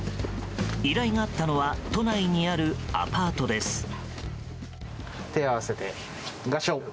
依頼があったのは都内にあるアパートです。